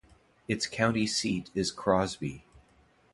Its county seat is Crosby.